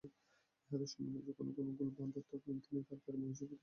ইহাদের সম্বন্ধে যখনই কোনো গোল বাধে, তিনি তাড়াতাড়ি মহিষীর প্রতি ভার দেন।